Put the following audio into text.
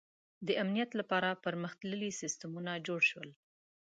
• د امنیت لپاره پرمختللي سیستمونه جوړ شول.